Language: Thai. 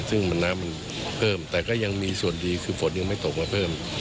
ซึ่งน้ำมันเพิ่มแต่ก็ยังมีส่วนดีคือฝนยังไม่ตกมาเพิ่ม